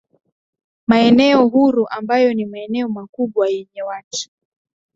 Maeneo huru ambayo ni maeneo makubwa yenye watu